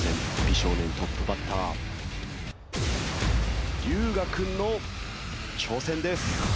美少年トップバッター龍我君の挑戦です。